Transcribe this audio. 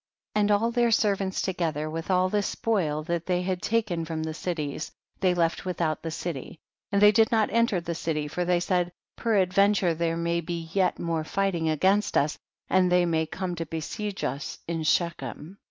18. And all their servants together with all the spoil that they had taken THE BOOK OF JASHER. 123 from the cities, they left without the city, and they did not enter the city, for they said, peradvcnture there may be yet more hghting against us, and they may come to besiege us in She chem.